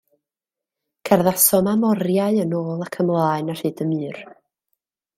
Cerddasom am oriau yn ôl ac ymlaen ar hyd y mur.